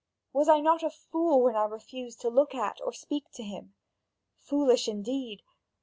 Was I not a fool, when I refused to look at or speak to him? Foolish indeed?